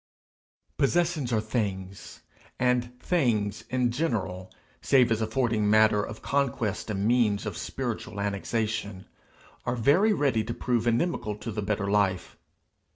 Possessions are Things, and Things in general, save as affording matter of conquest and means of spiritual annexation, are very ready to prove inimical to the better life.